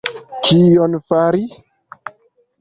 Kion Fari?